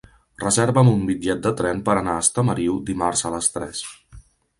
Reserva'm un bitllet de tren per anar a Estamariu dimarts a les tres.